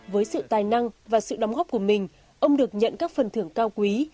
với sự tài năng và sự đóng góp của mình ông được nhận các phần thưởng cao quý